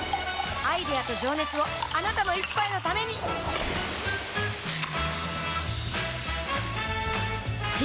アイデアと情熱をあなたの一杯のためにプシュッ！